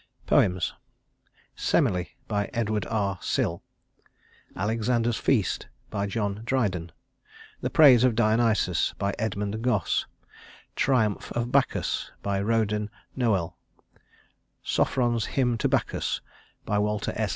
Poems: Semele EDWARD R. SILL Alexander's Feast JOHN DRYDEN The Praise of Dionysus EDMUND GOSSE Triumph of Bacchus RODEN NOËL Sophron's Hymn to Bacchus WALTER S.